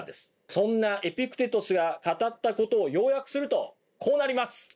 そんなエピクテトスが語ったことを要約するとこうなります。